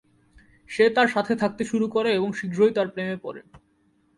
সে তার সাথে থাকতে শুরু করে এবং শীঘ্রই তার প্রেমে পড়ে।